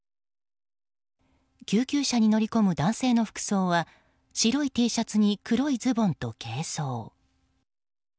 救急車に乗り込む男性の服装は白いＴシャツに黒いズボンと軽装。